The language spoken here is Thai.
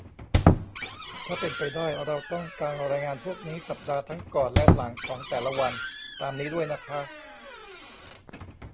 ถ้าเป็นไปได้ เราต้องการรายงานพวกนี้สัปดาห์ทั้งก่อนและหลังของแต่ละวันตามนี้ด้วยนะคะ